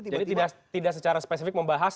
jadi tidak secara spesifik membahas